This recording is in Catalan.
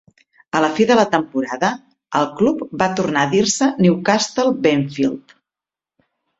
A la fi de la temporada, el club va tornar a dir-se Newcastle Benfield.